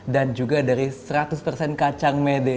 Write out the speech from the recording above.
dan juga dari seratus kacang mede